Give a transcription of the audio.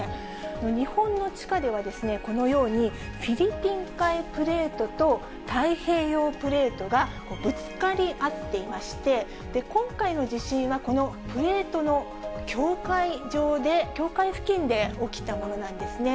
日本の地下ではこのようにフィリピン海プレートと太平洋プレートがぶつかり合っていまして、今回の地震は、このプレートの境界付近で起きたものなんですね。